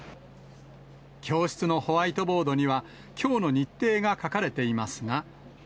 教室のホワイトボードには、きょうの日程が書かれていますが。